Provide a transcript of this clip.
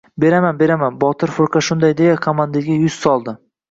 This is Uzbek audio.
— Beraman, beraman... — Botir firqa shunday deya, komandirga yuz soldi.